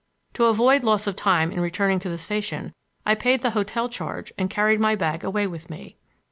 To avoid loss of time in returning to the station I paid the hotel charge and carried my bag away with me.